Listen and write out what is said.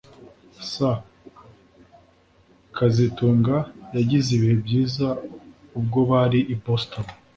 S kazitunga yagize ibihe byiza ubwo twari i Boston